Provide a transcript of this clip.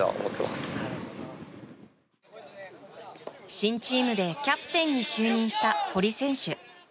新チームでキャプテンに就任した堀選手。